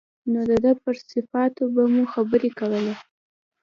نو د ده پر صفاتو به مو خبرې کولې.